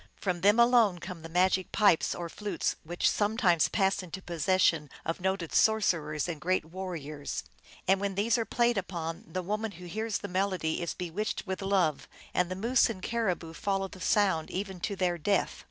From them alone come the magic pipes or flutes, which sometimes pass into possession of noted sorcerers and great warriors ; and when these are played upon, the woman who hears the melody is bewitched with love, and the moose and caribou follow the sound even to their death.